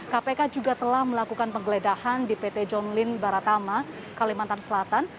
kpk juga telah melakukan penggeledahan di pt john lyn baratama kalimantan selatan